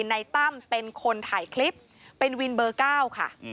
ตั้มเป็นคนถ่ายคลิปเป็นวินเบอร์๙ค่ะ